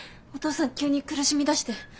お父さん急に苦しみだして。